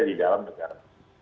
di dalam negara